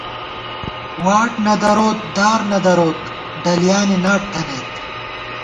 واٹ نہ دروت، دار نہ دروت، ڈلیانی ناٹ تھنَئیت